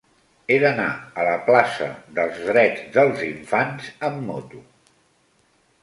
He d'anar a la plaça dels Drets dels Infants amb moto.